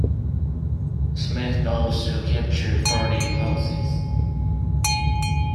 Smith also captured forty horses.